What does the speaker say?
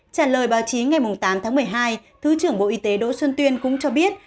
trả lời báo chí ngày tám tháng một mươi hai thứ trưởng bộ y tế đỗ xuân tuyên cũng cho biết